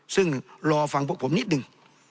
ซึ่งรอฟังพวกผมนิดหนึ่ง